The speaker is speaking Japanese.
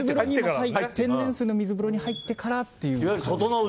天然水の水風呂に入ってからっていう。